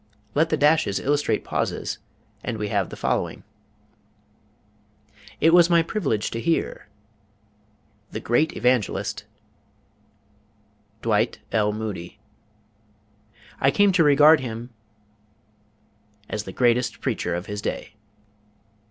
Let the dashes illustrate pauses and we have the following: "It was my privilege to hear the great evangelist Dwight L. Moody. I came to regard him as the greatest preacher of his day."